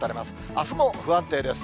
あすも不安定です。